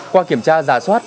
qua kiểm tra giá soát